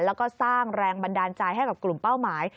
แล้วก็สร้างแรงบันดาลใจให้กับกลุ่มเป้าหมาย